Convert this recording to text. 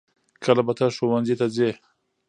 کله به ته ښوونځي ته ځې؟